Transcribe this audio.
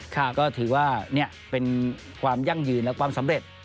ค่ะก็ถือว่าเป็นความยั่งยืนและความสำเร็จ